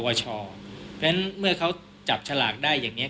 เพราะฉะนั้นเมื่อเขาจับฉลากได้อย่างนี้